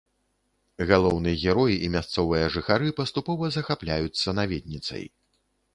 Галоўны герой і мясцовыя жыхары паступова захапляюцца наведніцай.